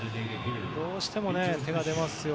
どうしても手が出ますよ。